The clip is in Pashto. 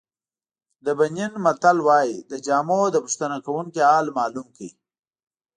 د بنین متل وایي له جامو د پوښتنه کوونکي حال معلوم کړئ.